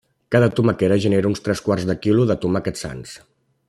Cada tomaquera genera uns tres quarts de quilo de tomàquets sans.